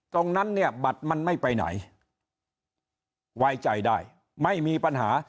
ตรงนั้นเนี่ยบัตรมันไม่ไปไหนไว้ใจได้ไม่มีปัญหา